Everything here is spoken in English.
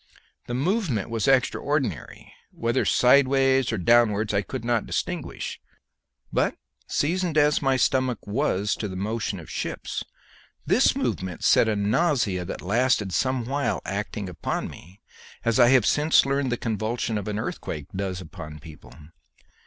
The movement was extraordinary whether sideways or downwards I could not distinguish; but, seasoned as my stomach was to the motion of ships, this movement set up a nausea that lasted some while, acting upon me as I have since learned the convulsion of an earthquake does upon people.